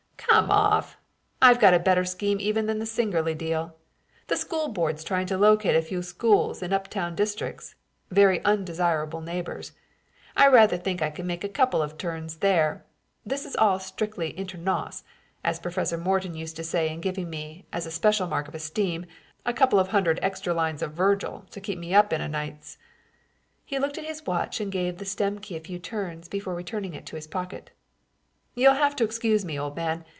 "Come off! I've got a better scheme even than the Singerly deal. The school board's trying to locate a few schools in up town districts. Very undesirable neighbors. I rather think I can make a couple of turns there. This is all strictly inter nos, as Professor Morton used to say in giving me, as a special mark of esteem, a couple of hundred extra lines of Virgil to keep me in o' nights." He looked at his watch and gave the stem key a few turns before returning it to his pocket. "You'll have to excuse me, old man.